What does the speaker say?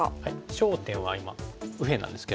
焦点は今右辺なんですけれども。